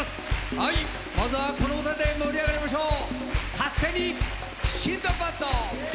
はい、まずはこの歌で盛り上がりましょう！